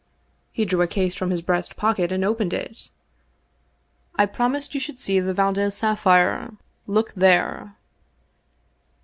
He drew a case from his breast pocket and opened it. " I promised you should see the Valdez sapphire. Look there!"